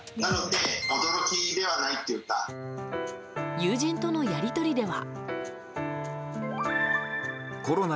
友人とのやり取りでは。